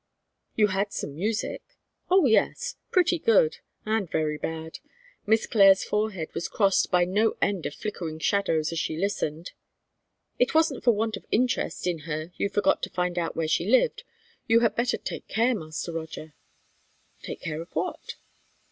"You had some music?" "Oh, yes! Pretty good, and very bad. Miss Clare's forehead was crossed by no end of flickering shadows as she listened." "It wasn't for want of interest in her you forgot to find out where she lived! You had better take care, Master Roger." "Take care of what?"